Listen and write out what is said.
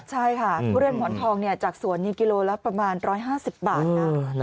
ใช่ค่ะทุเรียนหมอนทองจากสวนกิโลละประมาณ๑๕๐บาทนะ